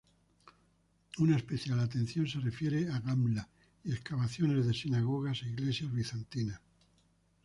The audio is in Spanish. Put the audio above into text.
Una especial atención se refiere a Gamla y excavaciones de sinagogas e iglesias bizantinas.